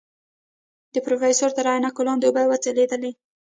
د پروفيسر تر عينکو لاندې اوبه وځلېدې.